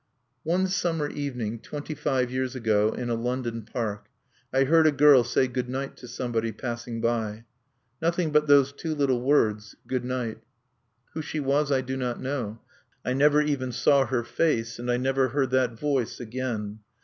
One summer evening, twenty five years ago, in a London park, I heard a girl say "Good night" to somebody passing by. Nothing but those two little words, "Good night." Who she was I do not know: I never even saw her face; and I never heard that voice again.